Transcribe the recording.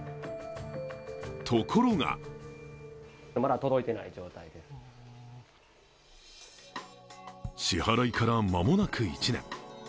ところが支払いから間もなく１年。